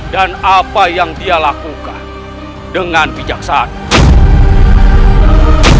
dan apa yang dia lakukan dengan bijaksana